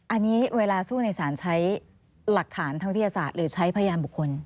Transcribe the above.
อันนี้เวลาสู้ในสารใช้หลักฐานทางวิทยาศาสตร์หรือใช้พยานบุคคล